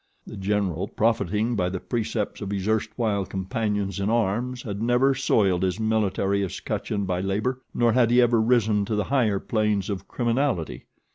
The General, profiting by the precepts of his erstwhile companions in arms, had never soiled his military escutcheon by labor, nor had he ever risen to the higher planes of criminality.